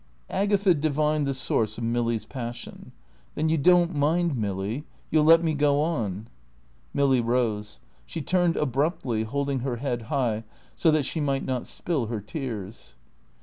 Agatha divined the source of Milly's passion. "Then you don't mind, Milly? You'll let me go on?" Milly rose; she turned abruptly, holding her head high, so that she might not spill her tears.